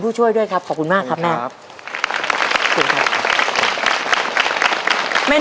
อีก๓ด้วยแล้วนะครับ